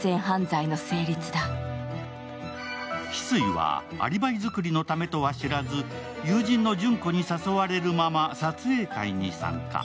翡翠はアリバイ作りのためとは知らず、友人の詢子に誘われるまま撮影会に参加。